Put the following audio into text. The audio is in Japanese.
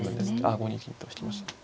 あ５二金と引きましたね。